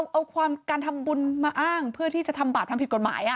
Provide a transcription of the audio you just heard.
เอาความการทำบุญมาอ้างเพื่อที่จะทำบาปทำผิดกฎหมาย